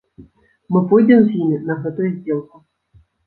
Мы пойдзем з імі на гэтую здзелку.